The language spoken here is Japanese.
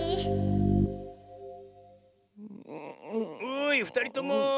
おいふたりとも。